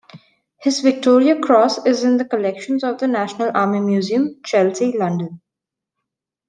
His Victoria Cross is in the collections of the National Army Museum, Chelsea, London.